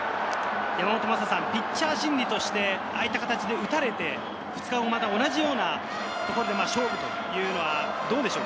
ピッチャー心理として、ああいった形で打たれて、２日後、また同じようなところで勝負というのはどうでしょう？